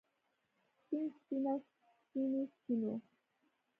سپين سپينه سپينې سپينو